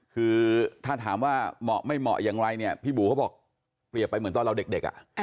คือถ้าถามว่าเหมาะไม่เหมาะอย่างไรเนี่ยพี่บูเขาบอกเปรียบไปเหมือนตอนเราเด็ก